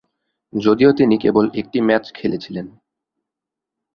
যদিও তিনি কেবল একটি ম্যাচ খেলেছিলেন।